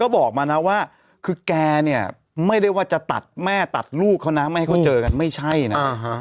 บอกมานะว่าคือแกเนี่ยไม่ได้ว่าจะตัดแม่ตัดลูกเขานะไม่ให้เขาเจอกันไม่ใช่นะ